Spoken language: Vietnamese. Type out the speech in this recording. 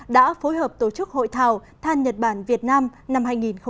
đã phối hợp tổ chức hội thảo than nhật bản việt nam năm hai nghìn một mươi chín